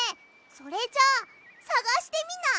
それじゃあさがしてみない？